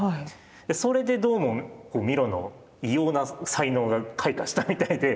それでどうもミロの異様な才能が開花したみたいで。